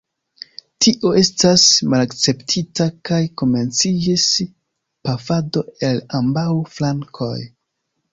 Tio estis malakceptita, kaj komenciĝis pafado el ambaŭ flankoj.